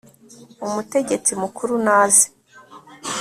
umutegetsi mukuru naze